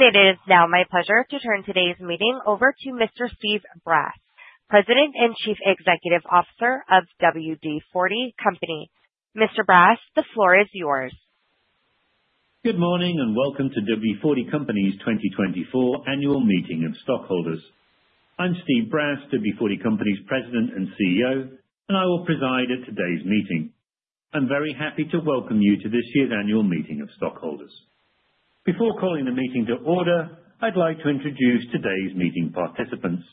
It is now my pleasure to turn today's meeting over to Mr. Steve Brass, President and Chief Executive Officer of WD-40 Company. Mr. Brass, the floor is yours. Good morning and welcome to WD-40 Company's 2024 annual meeting of stockholders. I'm Steve Brass, WD-40 Company's President and CEO, and I will preside at today's meeting. I'm very happy to welcome you to this year's annual meeting of stockholders. Before calling the meeting to order, I'd like to introduce today's meeting participants.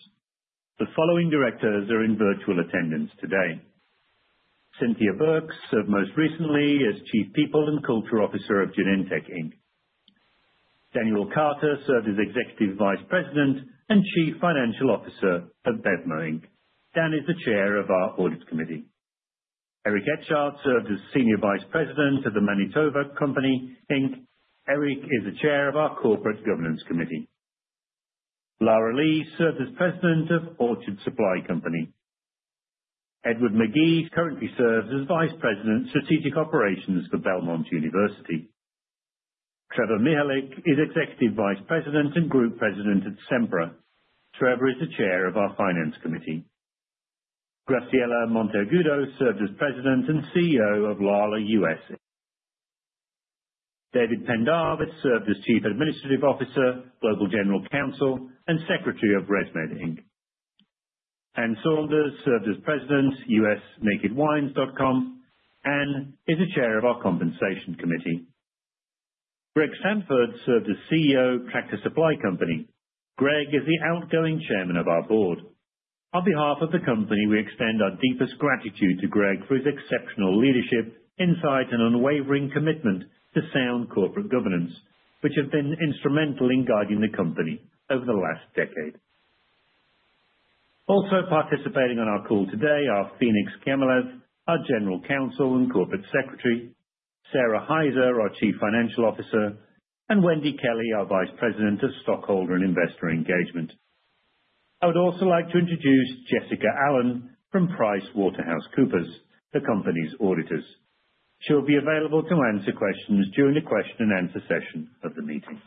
The following directors are in virtual attendance today: Cynthia Burks, served most recently as Chief People and Culture Officer of Genentech, Inc. Daniel Carter, served as Executive Vice President and Chief Financial Officer of BevMo! Inc. Dan is the Chair of our Audit Committee. Eric Etchart, served as Senior Vice President of the Manitowoc Company, Inc. Eric is the Chair of our Corporate Governance Committee. Lara Lee served as President of Orchard Supply Hardware. Edward Magee currently serves as Vice President of Strategic Operations for Belmont University. Trevor Mihalik is Executive Vice President and Group President at Sempra. Trevor is the Chair of our Finance Committee. Graciela Monteagudo served as President and CEO of Lala U.S., Inc. David Pendarvis served as Chief Administrative Officer, Global General Counsel, and Secretary of ResMed Inc. Anne Saunders served as President of U.S. NakedWines.com. Anne is the Chair of our Compensation Committee. Greg Sandfort served as CEO of Tractor Supply Company. Greg is the outgoing Chairman of our board. On behalf of the company, we extend our deepest gratitude to Greg for his exceptional leadership, insight, and unwavering commitment to sound corporate governance, which have been instrumental in guiding the company over the last decade. Also participating on our call today are Phenix Kiamilev, our General Counsel and Corporate Secretary; Sara Hyzer, our Chief Financial Officer; and Wendy Kelley, our Vice President of Stockholder and Investor Engagement. I would also like to introduce Jessica Allen from PricewaterhouseCoopers, the company's auditors. She will be available to answer questions during the question-and-answer session of the meeting.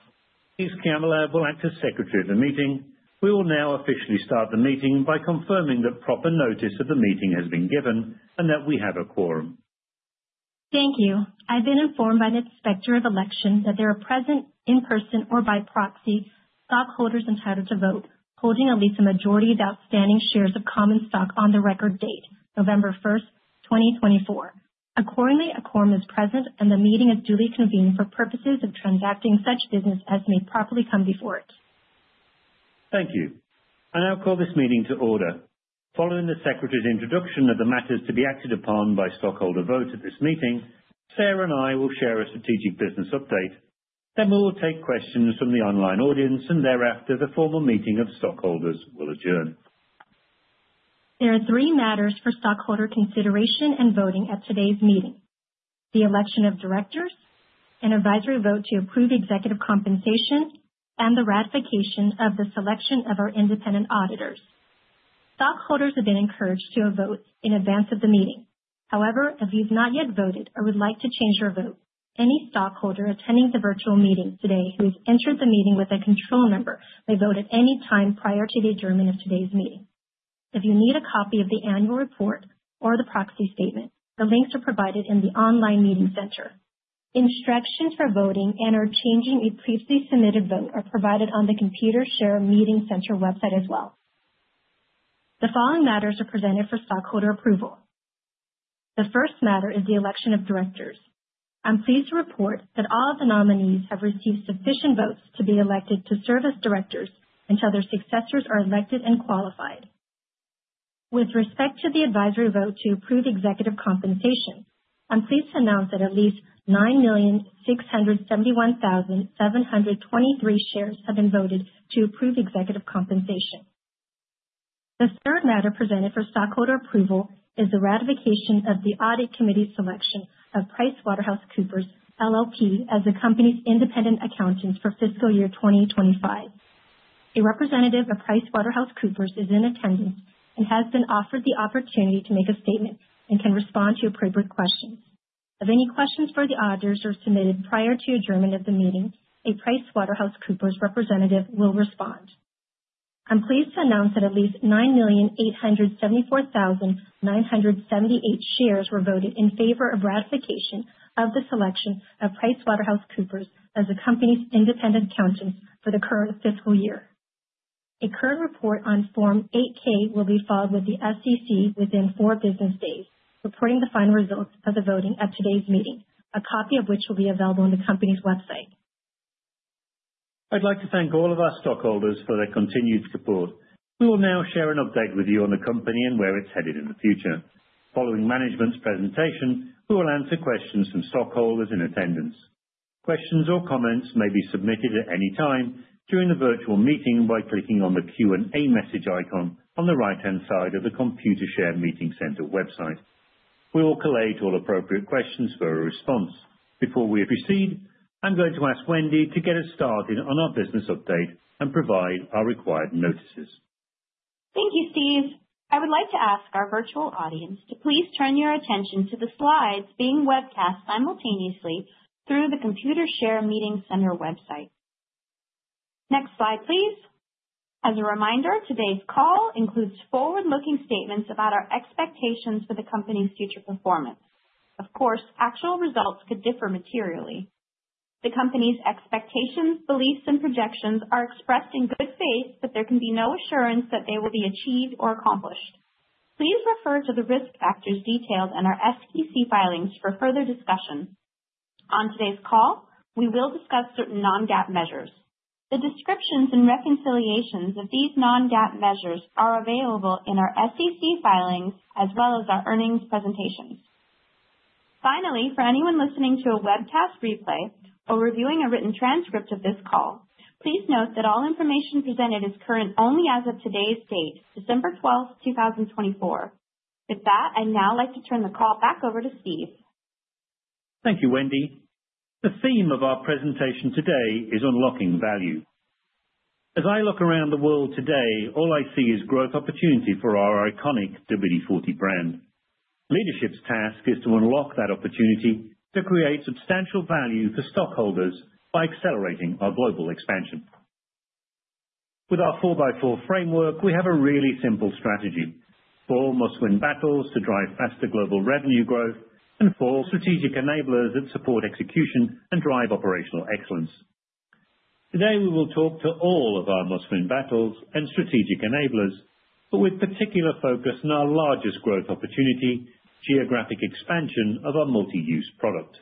Ms. Kiamilev will act as Secretary of the meeting. We will now officially start the meeting by confirming that proper notice of the meeting has been given and that we have a quorum. Thank you. I've been informed by the Inspector of Election that there are present, in person, or by proxy, stockholders entitled to vote holding at least a majority of outstanding shares of common stock on the record date, November 1st, 2024. Accordingly, a quorum is present and the meeting is duly convened for purposes of transacting such business as may properly come before it. Thank you. I now call this meeting to order. Following the Secretary's introduction of the matters to be acted upon by stockholder vote at this meeting, Sara and I will share a strategic business update. Then we will take questions from the online audience and thereafter the formal meeting of stockholders will adjourn. There are three matters for stockholder consideration and voting at today's meeting: the election of directors, an advisory vote to approve executive compensation, and the ratification of the selection of our independent auditors. Stockholders have been encouraged to vote in advance of the meeting. However, if you've not yet voted or would like to change your vote, any stockholder attending the virtual meeting today who has entered the meeting with a Control Number may vote at any time prior to the adjournment of today's meeting. If you need a copy of the annual report or the Proxy Statement, the links are provided in the online meeting center. Instructions for voting and/or changing a previously submitted vote are provided on the Computershare meeting center website as well. The following matters are presented for stockholder approval. The first matter is the election of directors. I'm pleased to report that all of the nominees have received sufficient votes to be elected to serve as directors until their successors are elected and qualified. With respect to the advisory vote to approve executive compensation, I'm pleased to announce that at least 9,671,723 shares have been voted to approve executive compensation. The third matter presented for stockholder approval is the ratification of the audit committee selection of PricewaterhouseCoopers LLP as the company's independent accountants for fiscal year 2025. A representative of PricewaterhouseCoopers is in attendance and has been offered the opportunity to make a statement and can respond to appropriate questions. If any questions for the auditors are submitted prior to adjournment of the meeting, a PricewaterhouseCoopers representative will respond. I'm pleased to announce that at least 9,874,978 shares were voted in favor of ratification of the selection of PricewaterhouseCoopers as the company's independent accountants for the current fiscal year. A current report on Form 8-K will be filed with the SEC within four business days reporting the final results of the voting at today's meeting, a copy of which will be available on the company's website. I'd like to thank all of our stockholders for their continued support. We will now share an update with you on the company and where it's headed in the future. Following management's presentation, we will answer questions from stockholders in attendance. Questions or comments may be submitted at any time during the virtual meeting by clicking on the Q&A message icon on the right-hand side of the Computershare meeting center website. We will collate all appropriate questions for a response. Before we proceed, I'm going to ask Wendy to get us started on our business update and provide our required notices. Thank you, Steve. I would like to ask our virtual audience to please turn your attention to the slides being webcast simultaneously through the Computershare meeting center website. Next slide, please. As a reminder, today's call includes forward-looking statements about our expectations for the company's future performance. Of course, actual results could differ materially. The company's expectations, beliefs, and projections are expressed in good faith, but there can be no assurance that they will be achieved or accomplished. Please refer to the risk factors detailed in our SEC filings for further discussion. On today's call, we will discuss certain Non-GAAP measures. The descriptions and reconciliations of these Non-GAAP measures are available in our SEC filings as well as our earnings presentations. Finally, for anyone listening to a webcast replay or reviewing a written transcript of this call, please note that all information presented is current only as of today's date, December 12th, 2024. With that, I'd now like to turn the call back over to Steve. Thank you, Wendy. The theme of our presentation today is Unlocking Value. As I look around the world today, all I see is growth opportunity for our iconic WD-40 brand. Leadership's task is to unlock that opportunity to create substantial value for stockholders by accelerating our global expansion. With our 4x4 framework, we have a really simple strategy: four Must-Win Battles to drive faster global revenue growth and four strategic enablers that support execution and drive operational excellence. Today, we will talk to all of our Must-Win Battles and strategic enablers, but with particular focus on our largest growth opportunity, geographic expansion of our Multi-Use Product.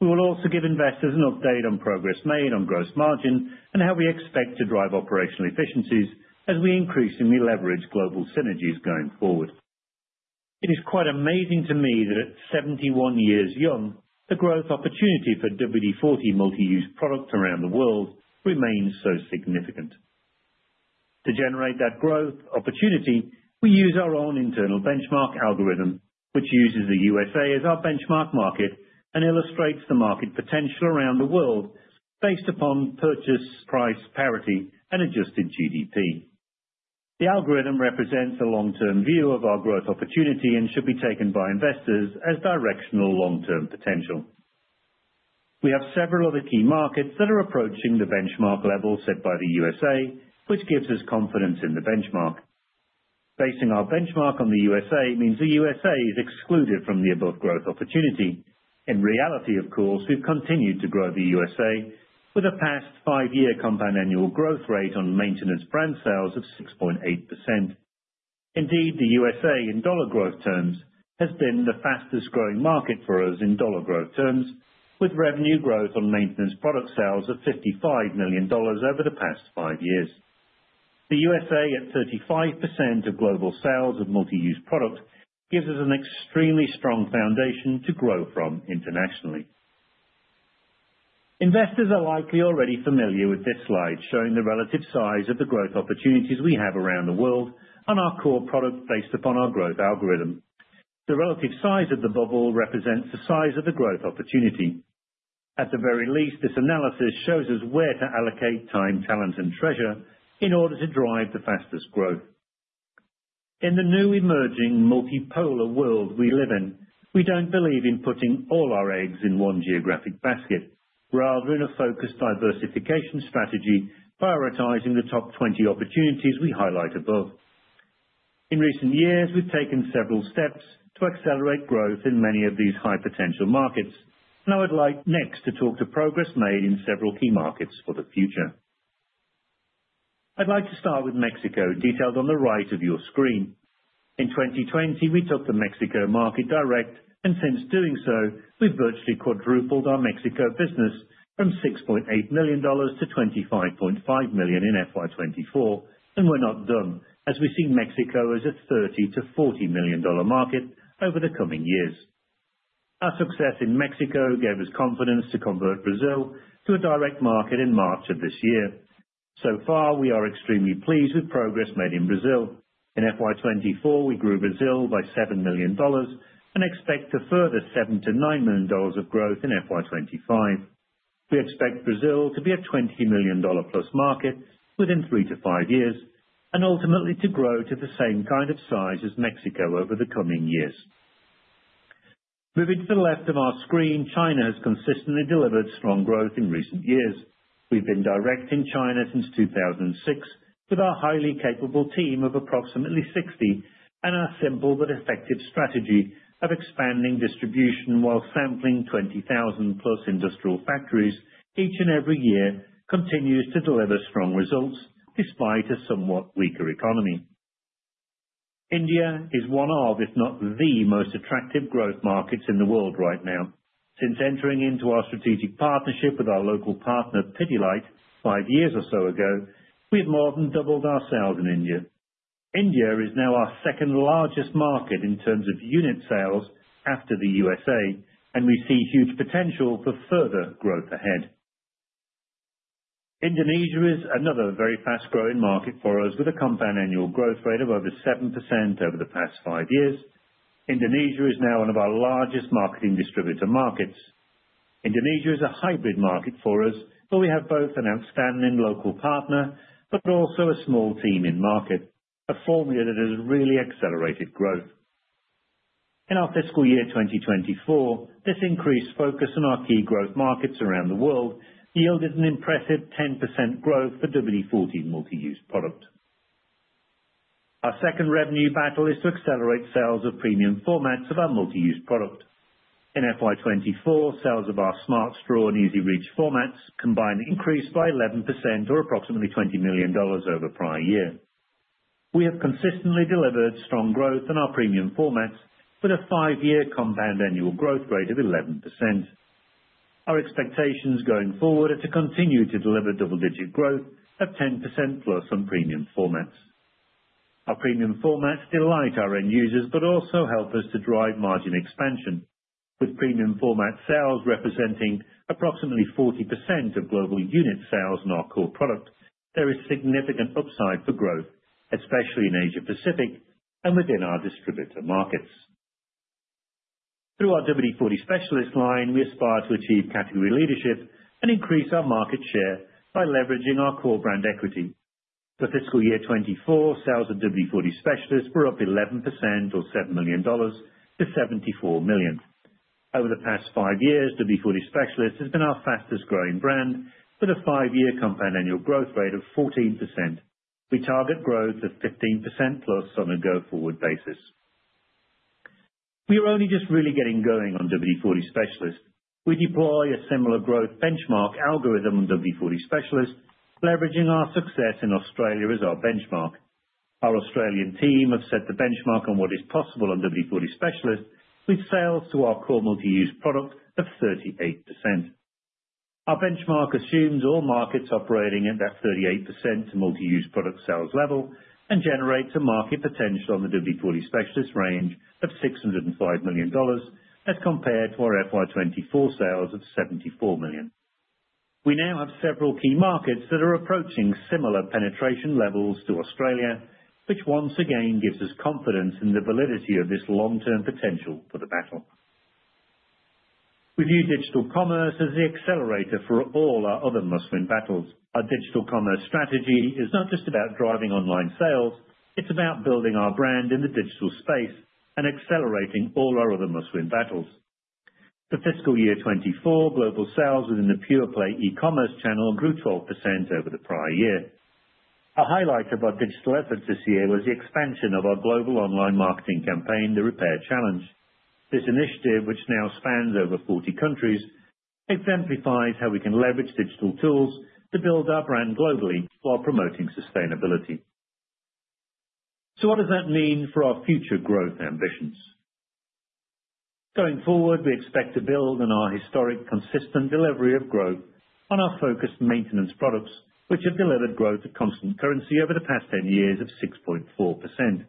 We will also give investors an update on progress made on gross margin and how we expect to drive operational efficiencies as we increasingly leverage global synergies going forward. It is quite amazing to me that at 71 years young, the growth opportunity for WD-40 Multi-Use Product around the world remains so significant. To generate that growth opportunity, we use our own internal benchmark algorithm, which uses the USA as our benchmark market and illustrates the market potential around the world based upon purchasing power parity and adjusted GDP. The algorithm represents a long-term view of our growth opportunity and should be taken by investors as directional long-term potential. We have several other key markets that are approaching the benchmark level set by the USA, which gives us confidence in the benchmark. Basing our benchmark on the USA means the USA is excluded from the above growth opportunity. In reality, of course, we've continued to grow the USA with a past five-year compound annual growth rate on maintenance brand sales of 6.8%. Indeed, the USA in dollar growth terms has been the fastest growing market for us in dollar growth terms, with revenue growth on maintenance product sales of $55 million over the past five years. The USA at 35% of global sales of Multi-Use Product gives us an extremely strong foundation to grow from internationally. Investors are likely already familiar with this slide showing the relative size of the growth opportunities we have around the world on our core product based upon our growth algorithm. The relative size of the bubble represents the size of the growth opportunity. At the very least, this analysis shows us where to allocate time, talent, and treasure in order to drive the fastest growth. In the new emerging multipolar world we live in, we don't believe in putting all our eggs in one geographic basket, rather in a focused diversification strategy prioritizing the top 20 opportunities we highlight above. In recent years, we've taken several steps to accelerate growth in many of these high-potential markets, and I would like next to talk about progress made in several key markets for the future. I'd like to start with Mexico, detailed on the right of your screen. In 2020, we took the Mexico market direct, and since doing so, we've virtually quadrupled our Mexico business from $6.8 million to $25.5 million in FY 2024, and we're not done as we see Mexico as a $30 million-$40 million market over the coming years. Our success in Mexico gave us confidence to convert Brazil to a direct market in March of this year. So far, we are extremely pleased with progress made in Brazil. In FY 2024, we grew Brazil by $7 million and expect a further $7 million-$9 million of growth in FY 2025. We expect Brazil to be a $20+ million market within three to five years and ultimately to grow to the same kind of size as Mexico over the coming years. Moving to the left of our screen, China has consistently delivered strong growth in recent years. We've been direct in China since 2006 with our highly capable team of approximately 60 and our simple but effective strategy of expanding distribution while sampling 20,000-plus industrial factories each and every year continues to deliver strong results despite a somewhat weaker economy. India is one of, if not the, most attractive growth markets in the world right now. Since entering into our strategic partnership with our local partner, Pidilite, five years or so ago, we have more than doubled our sales in India. India is now our second-largest market in terms of unit sales after the USA, and we see huge potential for further growth ahead. Indonesia is another very fast-growing market for us with a compound annual growth rate of over 7% over the past five years. Indonesia is now one of our largest marketing distributor markets. Indonesia is a hybrid market for us, but we have both an outstanding local partner but also a small team in market, a formula that has really accelerated growth. In our fiscal year 2024, this increased focus on our key growth markets around the world yielded an impressive 10% growth for WD-40 Multi-Use Product. Our second revenue battle is to accelerate sales of premium formats of our Multi-Use Product. In FY 2024, sales of our Smart Straw and EZ-Reach formats combined increased by 11% or approximately $20 million over prior year. We have consistently delivered strong growth in our premium formats with a five-year compound annual growth rate of 11%. Our expectations going forward are to continue to deliver double-digit growth of 10% plus on premium formats. Our premium formats delight our end users but also help us to drive margin expansion. With premium format sales representing approximately 40% of global unit sales on our core product, there is significant upside for growth, especially in Asia-Pacific and within our distributor markets. Through our WD-40 Specialist line, we aspire to achieve category leadership and increase our market share by leveraging our core brand equity. For fiscal year 2024, sales of WD-40 Specialist were up 11% or $7 million to $74 million. Over the past five years, WD-40 Specialist has been our fastest-growing brand with a five-year compound annual growth rate of 14%. We target growth of 15%+ on a go-forward basis. We are only just really getting going on WD-40 Specialist. We deploy a similar growth benchmark algorithm on WD-40 Specialist, leveraging our success in Australia as our benchmark. Our Australian team have set the benchmark on what is possible on WD-40 Specialist with sales to our core Multi-Use Product of 38%. Our benchmark assumes all markets operating at that 38% Multi-Use Product sales level and generates a market potential on the WD-40 Specialist range of $605 million as compared to our FY 2024 sales of $74 million. We now have several key markets that are approaching similar penetration levels to Australia, which once again gives us confidence in the validity of this long-term potential for the battle. We view digital commerce as the accelerator for all our other Must-Win Battles. Our digital commerce strategy is not just about driving online sales. It's about building our brand in the digital space and accelerating all our other Must-Win Battles. For fiscal year 2024, global sales within the pure-play e-commerce channel grew 12% over the prior year. A highlight of our digital efforts this year was the expansion of our global online marketing campaign, The Repair Challenge. This initiative, which now spans over 40 countries, exemplifies how we can leverage digital tools to build our brand globally while promoting sustainability. So what does that mean for our future growth ambitions? Going forward, we expect to build on our historic consistent delivery of growth on our focused maintenance products, which have delivered growth at constant currency over the past 10 years of 6.4%.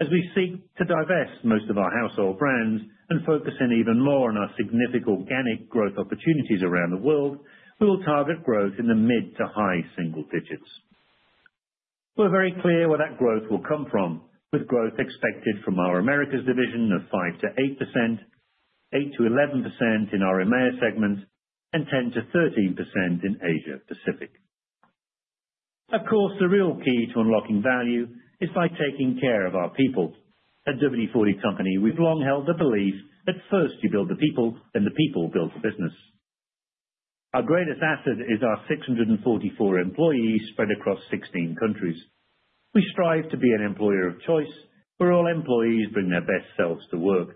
As we seek to divest most of our household brands and focus in even more on our significant organic growth opportunities around the world, we will target growth in the mid to high single digits. We're very clear where that growth will come from, with growth expected from our Americas division of 5%-8%, 8%-11% in our EMEA segment, and 10%-13% in Asia-Pacific. Of course, the real key to unlocking value is by taking care of our people. At WD-40 Company, we've long held the belief that first you build the people, then the people build the business. Our greatest asset is our 644 employees spread across 16 countries. We strive to be an employer of choice where all employees bring their best selves to work.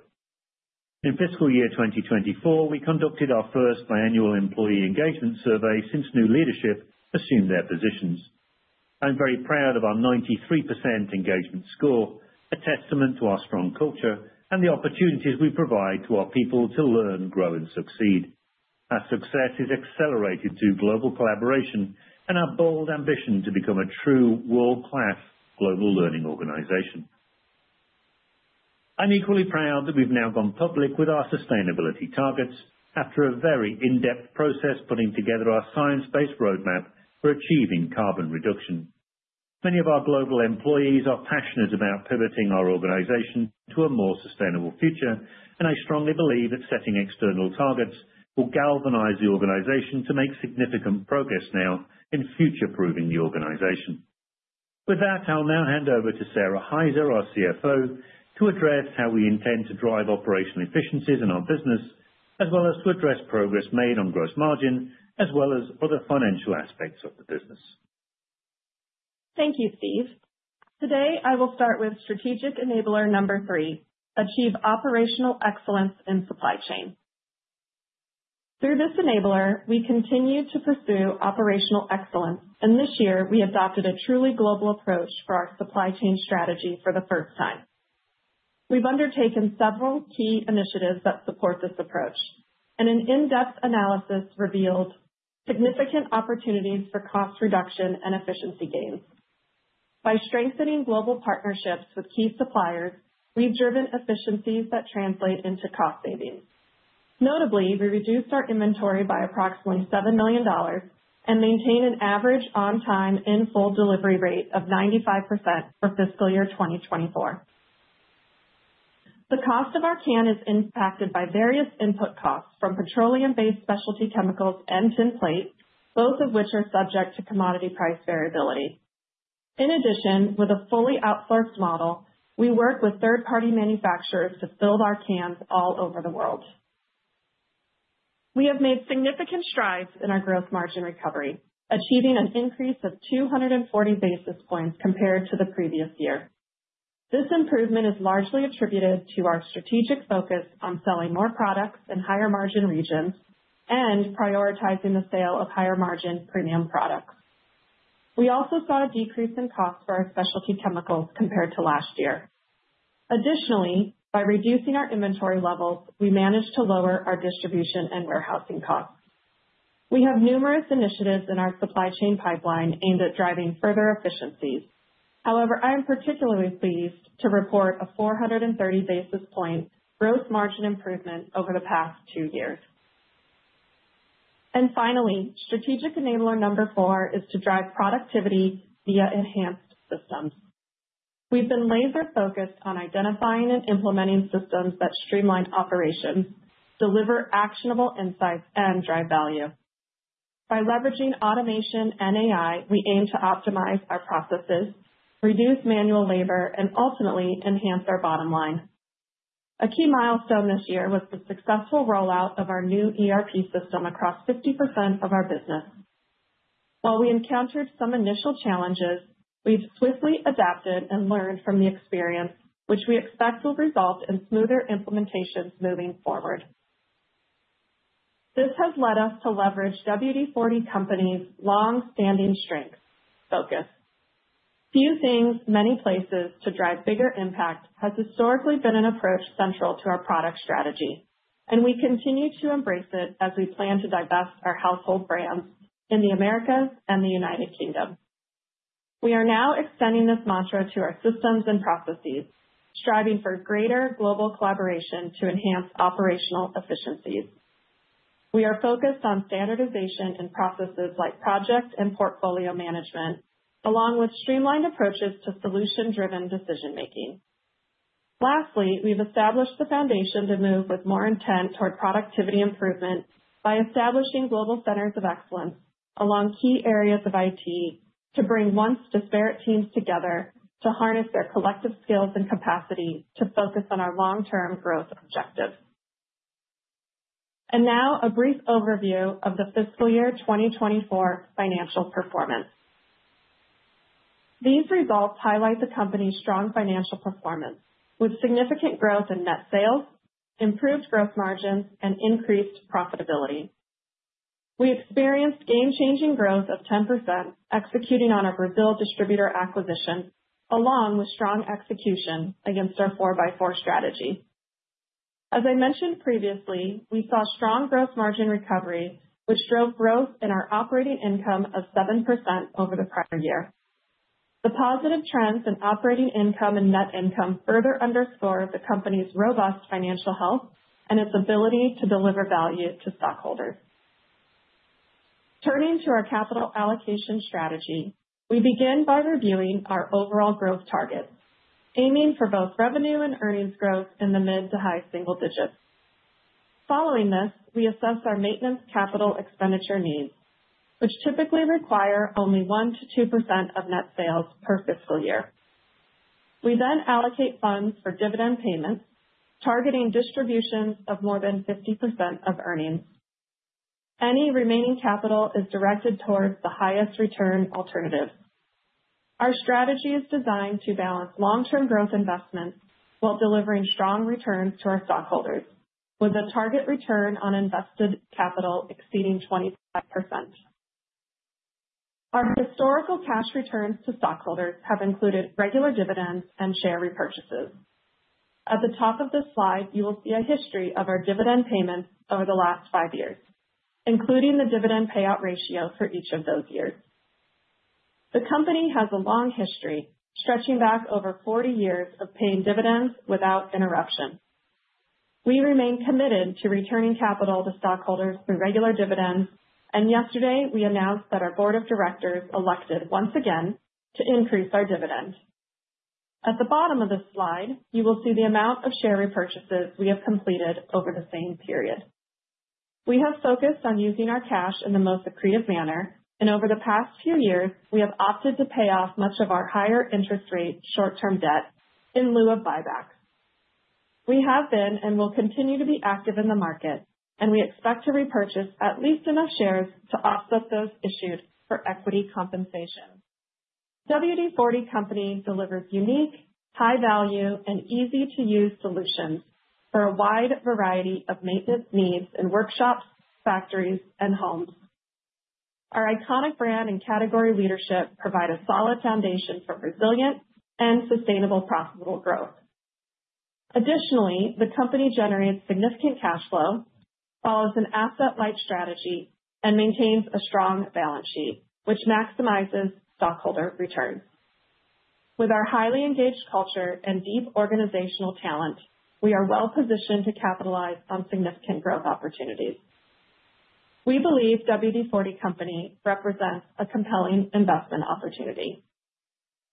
In fiscal year 2024, we conducted our first biannual employee engagement survey since new leadership assumed their positions. I'm very proud of our 93% engagement score, a testament to our strong culture and the opportunities we provide to our people to learn, grow, and succeed. Our success is accelerated through global collaboration and our bold ambition to become a true world-class global learning organization. I'm equally proud that we've now gone public with our sustainability targets after a very in-depth process putting together our science-based roadmap for achieving carbon reduction. Many of our global employees are passionate about pivoting our organization to a more sustainable future, and I strongly believe that setting external targets will galvanize the organization to make significant progress now in future-proofing the organization. With that, I'll now hand over to Sara Hyzer, our CFO, to address how we intend to drive operational efficiencies in our business, as well as to address progress made on gross margin as well as other financial aspects of the business. Thank you, Steve. Today, I will start with strategic enabler number three, Achieve Operational Excellence in Supply Chain. Through this enabler, we continue to pursue operational excellence, and this year, we adopted a truly global approach for our supply chain strategy for the first time. We've undertaken several key initiatives that support this approach, and an in-depth analysis revealed significant opportunities for cost reduction and efficiency gains. By strengthening global partnerships with key suppliers, we've driven efficiencies that translate into cost savings. Notably, we reduced our inventory by approximately $7 million and maintain an average on-time in full delivery rate of 95% for fiscal year 2024. The cost of our can is impacted by various input costs from petroleum-based specialty chemicals and tinplate, both of which are subject to commodity price variability. In addition, with a fully outsourced model, we work with third-party manufacturers to build our cans all over the world. We have made significant strides in our gross margin recovery, achieving an increase of 240 basis points compared to the previous year. This improvement is largely attributed to our strategic focus on selling more products in higher margin regions and prioritizing the sale of higher margin premium products. We also saw a decrease in costs for our specialty chemicals compared to last year. Additionally, by reducing our inventory levels, we managed to lower our distribution and warehousing costs. We have numerous initiatives in our supply chain pipeline aimed at driving further efficiencies. However, I am particularly pleased to report a 430 basis point gross margin improvement over the past two years. And finally, strategic enabler number four is to drive productivity via enhanced systems. We've been laser-focused on identifying and implementing systems that streamline operations, deliver actionable insights, and drive value. By leveraging automation and AI, we aim to optimize our processes, reduce manual labor, and ultimately enhance our bottom line. A key milestone this year was the successful rollout of our new ERP system across 50% of our business. While we encountered some initial challenges, we've swiftly adapted and learned from the experience, which we expect will result in smoother implementations moving forward. This has led us to leverage WD-40 Company's long-standing strengths. Focus. Few things, many places to drive bigger impact has historically been an approach central to our product strategy, and we continue to embrace it as we plan to divest our household brands in the Americas and the United Kingdom. We are now extending this mantra to our systems and processes, striving for greater global collaboration to enhance operational efficiencies. We are focused on standardization in processes like project and portfolio management, along with streamlined approaches to solution-driven decision-making. Lastly, we've established the foundation to move with more intent toward productivity improvement by establishing global centers of excellence along key areas of IT to bring once-disparate teams together to harness their collective skills and capacity to focus on our long-term growth objectives, and now a brief overview of the fiscal year 2024 financial performance. These results highlight the company's strong financial performance, with significant growth in net sales, improved gross margins, and increased profitability. We experienced game-changing growth of 10% executing on our Brazil distributor acquisition, along with strong execution against our 4x4 strategy. As I mentioned previously, we saw strong gross margin recovery, which drove growth in our operating income of 7% over the prior year. The positive trends in operating income and net income further underscore the company's robust financial health and its ability to deliver value to stockholders. Turning to our capital allocation strategy, we begin by reviewing our overall growth targets, aiming for both revenue and earnings growth in the mid to high single digits. Following this, we assess our maintenance capital expenditure needs, which typically require only 1%-2% of net sales per fiscal year. We then allocate funds for dividend payments, targeting distributions of more than 50% of earnings. Any remaining capital is directed towards the highest return alternatives. Our strategy is designed to balance long-term growth investments while delivering strong returns to our stockholders, with a target return on invested capital exceeding 25%. Our historical cash returns to stockholders have included regular dividends and share repurchases. At the top of this slide, you will see a history of our dividend payments over the last five years, including the dividend payout ratio for each of those years. The company has a long history stretching back over 40 years of paying dividends without interruption. We remain committed to returning capital to stockholders through regular dividends, and yesterday, we announced that our Board of Directors elected once again to increase our dividend. At the bottom of this slide, you will see the amount of share repurchases we have completed over the same period. We have focused on using our cash in the most accretive manner, and over the past few years, we have opted to pay off much of our higher interest-rate short-term debt in lieu of buybacks. We have been and will continue to be active in the market, and we expect to repurchase at least enough shares to offset those issued for equity compensation. WD-40 Company delivers unique, high-value, and easy-to-use solutions for a wide variety of maintenance needs in workshops, factories, and homes. Our iconic brand and category leadership provide a solid foundation for resilient and sustainable profitable growth. Additionally, the company generates significant cash flow, follows an asset-light strategy, and maintains a strong balance sheet, which maximizes stockholder returns. With our highly engaged culture and deep organizational talent, we are well-positioned to capitalize on significant growth opportunities. We believe WD-40 Company represents a compelling investment opportunity.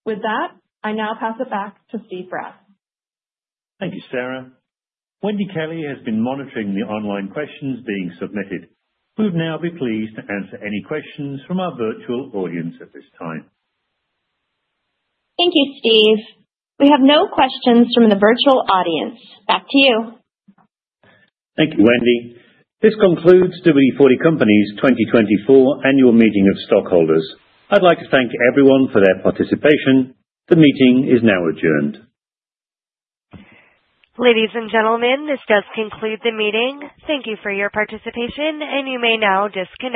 With that, I now pass it back to Steve Brass. Thank you, Sara. WD-40 has been monitoring the online questions being submitted. We would now be pleased to answer any questions from our virtual audience at this time. Thank you, Steve. We have no questions from the virtual audience. Back to you. Thank you, Wendy. This concludes WD-40 Company's 2024 annual meeting of stockholders. I'd like to thank everyone for their participation. The meeting is now adjourned. Ladies and gentlemen, this does conclude the meeting. Thank you for your participation, and you may now disconnect.